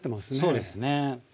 そうですね。